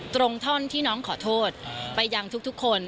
ตรงท่อนที่น้องขอโทษไปยังทุกคน